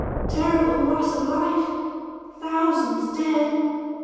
Terrible loss of life! Thousands dead!